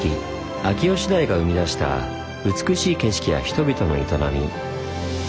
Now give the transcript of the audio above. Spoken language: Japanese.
秋吉台が生み出した美しい景色や人々の営み。